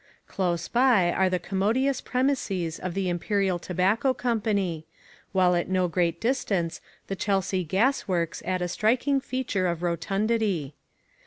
Close by are the commodious premises of the Imperial Tobacco Company, while at no great distance the Chelsea Gas Works add a striking feature of rotundity.